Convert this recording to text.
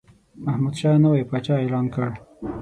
محمودشاه نوی پاچا اعلان کړ.